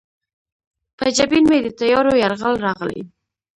په جبین مې د تیارو یرغل راغلی